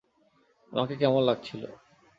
আমাকে কেমন লাগছিল?